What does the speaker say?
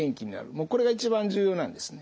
もうこれが一番重要なんですね。